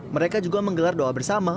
mereka juga menggelar doa bersama